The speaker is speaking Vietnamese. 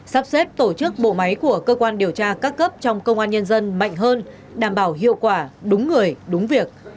sắp xếp tổ chức bộ máy của cơ quan điều tra các cấp trong công an nhân dân mạnh hơn đảm bảo hiệu quả đúng người đúng việc